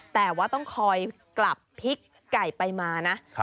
แต่ว่าต้องคอยกลับพริกไก่ไปมานะ